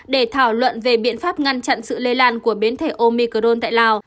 để thảo luận về biện pháp ngăn chặn sự lây lan của biến thể omicron tại lào